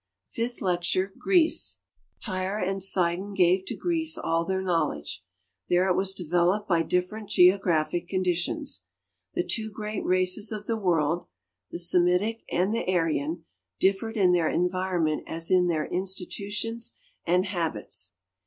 Fifth lecture— Greece. Tyre and Sidon gave toCJreece all their knowl edge. There it was developed by difierent geographic conditions. The two great races of the world — the Semitic and the Aryan — differed in their environment as in their institutions and habits.